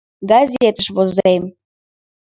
Газетыш возем!